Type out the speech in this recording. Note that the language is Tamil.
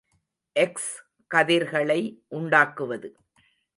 எக்ஸ் கதிர்களை உண்டாக்குவது.